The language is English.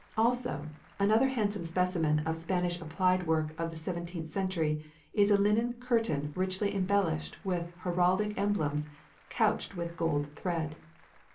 Also, another handsome specimen of Spanish applied work of the seventeenth century is a linen curtain richly embellished with heraldic emblems couched with gold thread.